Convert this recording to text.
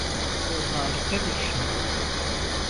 Bu harika bir şey.